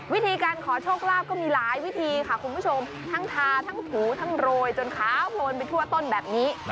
วิธีการขอโชคลาภก็มีหลายวิธีค่ะคุณผู้ชมทั้งทาทั้งถูทั้งโรยจนขาวโพลนไปทั่วต้นแบบนี้